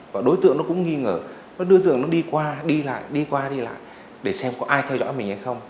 và đối tượng nó cũng nghi ngờ đối tượng nó đi qua đi lại đi qua đi lại để xem có ai theo dõi mình hay không